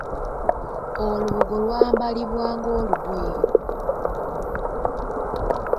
Olubugo lwambalibwa ng'olugoye.